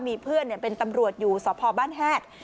มีเพื่อนเป็นตำรวจอยู่สพบ้านแฮด